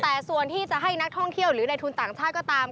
แต่ส่วนที่จะให้นักท่องเที่ยวหรือในทุนต่างชาติก็ตาม